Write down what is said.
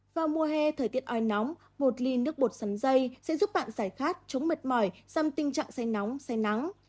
vào mùa hè thời tiết oi nóng một ly nước bột sắn dây sẽ giúp bạn giải khát chống mệt mỏi xăm tình trạng say nóng say nắng